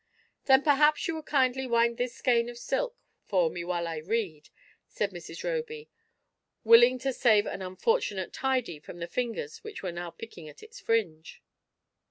Then perhaps you would kindly wind this skein of silk for me while I read," said Mrs. Roby, willing to save an unfortunate tidy from the fingers which were now picking at its fringe.